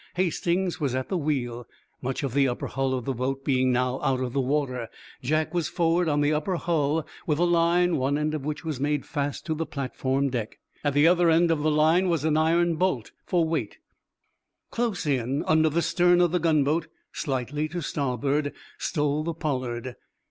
Hastings was at the wheel, much of the upper hull of the boat being now out of water. Jack was forward, on the upper hull, with a line, one end of which was made fast to the platform deck. At the other end of the line was an iron bolt for weight. Close in under the stern of the gunboat, slightly to starboard, stole the "Pollard."